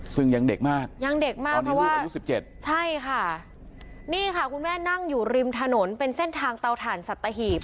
ซึ่งยังเด็กมากตอนมีลูกอายุ๑๗ใช่ค่ะนี่ค่ะคุณแม่นั่งอยู่ริมถนนเป็นเส้นทางเตาถ่านสัตตาหีบ